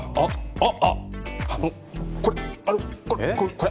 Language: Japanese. あっ！